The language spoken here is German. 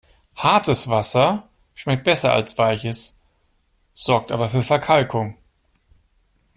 Hartes Wasser schmeckt besser als weiches, sorgt aber für Verkalkung.